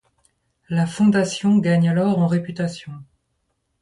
La fondation gagne alors en réputation.